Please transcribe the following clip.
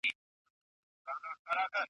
په سل گونو ستا په شان هلته نور خره دي !.